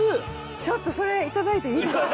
ちょっとそれ頂いていいですか？